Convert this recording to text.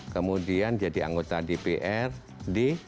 kemudian jadi anggota dprd